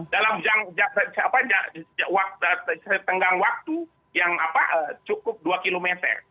dalam tenggang waktu yang cukup dua km